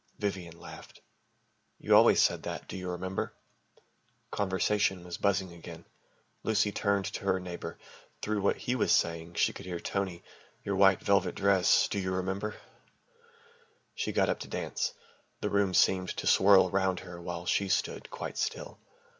Vivian laughed, "You always said that, do you remember ?" Conversation was buzzing again. Lucy turned to her neighbour. Through what he was saying, she could hear Tony "your white velvet dress do you remember...?" She got up to dance. The room seemed to whirl round her while she stood quite still.